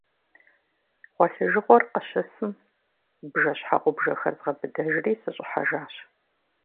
Гъуэлъыжыгъуэр къыщысым, бжэщхьэгъубжэр згъэбыдэжри сыщӏыхьэжащ.